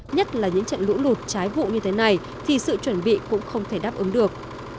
nhất là những trận lũ lụt trái vụ như thế này thì sự chuẩn bị cũng không thể đáp ứng được